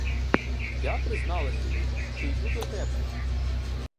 Я призналася йому, що йду до тебе.